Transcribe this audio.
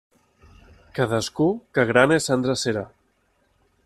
Cadascú que agrane sa endrecera.